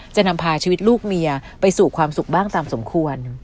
จะนำพาชีวิตลูกเมียไปสู่ความสุขบ้างตามสมควร